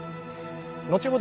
後ほど